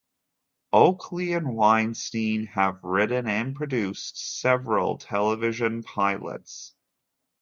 Oakley and Weinstein have written and produced several television pilots.